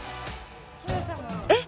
えっ！